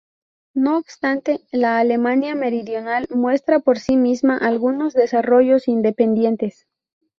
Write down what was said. No obstante, la Alemania meridional muestra por sí misma algunos desarrollos independientes.